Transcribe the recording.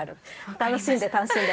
楽しんで楽しんで！